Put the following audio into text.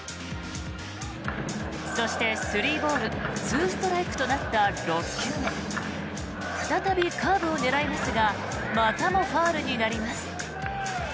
そして３ボール２ストライクとなった６球目再びカーブを狙いますがまたもファウルになります。